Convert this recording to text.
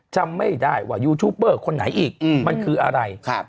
จำไม่ได้ว่ายูทูปเบอร์คนไหนอีกมันคืออะไร